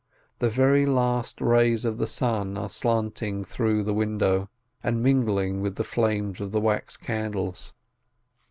The very last rays of the sun are slanting in through the window, and mingling with the flames of the wax candles.